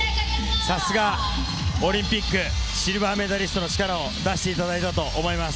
さすが、オリンピックシルバー銀メダリストの力を出していただいたと思います。